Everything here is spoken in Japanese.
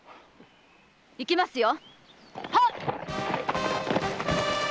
いきますよ。